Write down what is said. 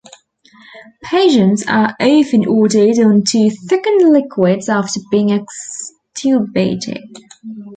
Patients are often ordered onto thickened liquids after being extubated.